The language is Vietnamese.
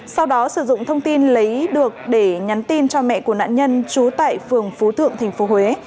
sau đó sử dụng thông tin lấy được để nhắn tin cho mẹ của nạn nhân trú tại phường phú thượng tp huế